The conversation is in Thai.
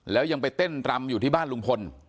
แล้วยังไปเต้นรำอยู่ที่บ้านลุงพล